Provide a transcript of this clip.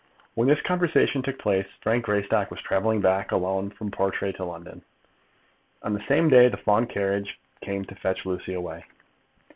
When this conversation took place, Frank Greystock was travelling back alone from Portray to London. On the same day the Fawn carriage came to fetch Lucy away.